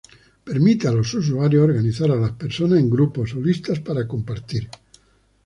Permite a los usuarios organizar a las personas en grupos o listas para compartir.